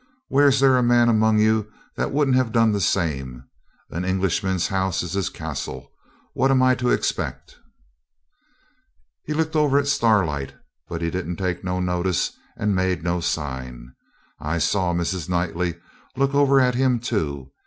'Where's the man among you that wouldn't have done the same? An Englishman's house is his castle. What am I to expect?' He looked over at Starlight, but he didn't take no notice, and made no sign. I saw Mrs. Knightley look over at him too.